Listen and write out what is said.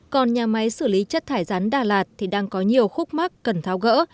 còn nhà máy xử lý chất thải rắn đà lạt thì đang có nhiều khúc mắc cần tháo gỡ